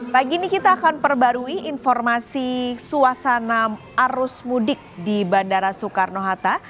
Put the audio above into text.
pagi ini kita akan perbarui informasi suasana arus mudik di bandara soekarno hatta